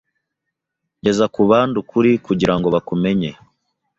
Geza ku bandi ukuri kugira ngo bakumenye.